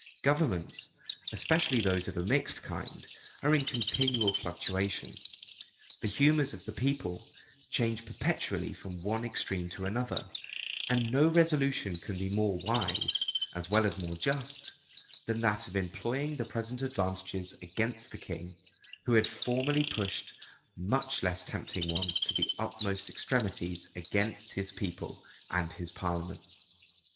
Governments, especially those of a mixed kind, are in continual fluctuation: the humors of the people change perpetually from one extreme to another: and no resolution can be more wise, as well as more just, than that of employing the present advantages against the king, who had formerly pushed much less tempting ones to the utmost extremities against, his people and his parliament.